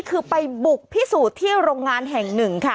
คือไปบุกพิสูจน์ที่โรงงานแห่งหนึ่งค่ะ